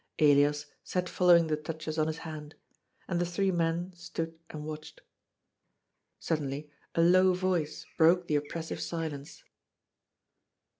Elias sat following the touches on his hand. And the three men stood and watched. Suddenly a low voice broke the oppressive silence.